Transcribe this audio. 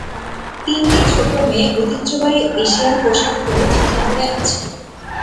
তিনটি ছোট মেয়ে ঐতিহ্যবাহী এশিয়ান পোশাক পরে ছাতা ধরে আছে।